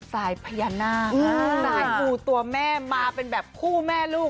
สายพญานาคสายมูตัวแม่มาเป็นแบบคู่แม่ลูก